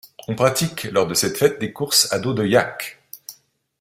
On pratique lors de cette fête des courses à dos de yak.